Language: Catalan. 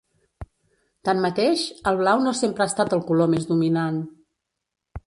Tanmateix, el blau no sempre ha estat el color més dominant.